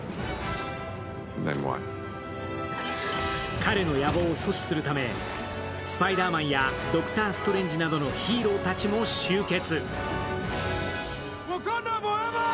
彼の野望を阻止するためスパイダーマンやドクター・ストレンジなどヒーローたちも集結。